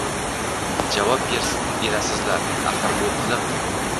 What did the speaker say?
Javob berasizlar… Axir… Bu qiliq…